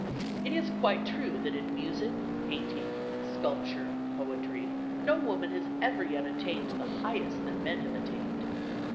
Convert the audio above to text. It is quite true that in music, painting, sculpture, poetry, no woman has ever yet attained to the highest that men have attained.